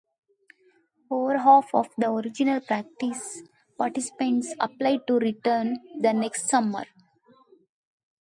Over half of the original participants applied to return the next summer.